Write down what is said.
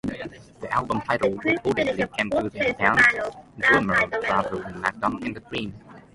The album title reportedly came to the band's drummer Travis McNabb in a dream.